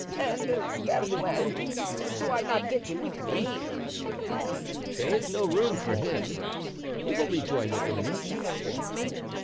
"And Bernouin—do I not take him with me?" "There is no room for him, he will rejoin your eminence."